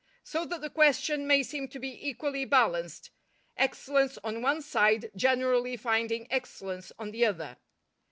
So that the question may seem to be equally balanced, excellence on one side generally finding excellence on the other.